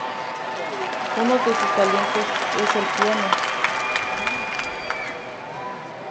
Uno de sus talentos es el piano.